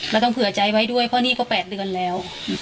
แล้วต้องเผื่อใจไว้ด้วยเพราะนี่ก็๘เดือนแล้ว